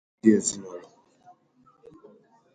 ndụ ezinụlọ